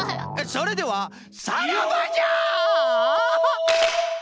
それではさらばじゃ！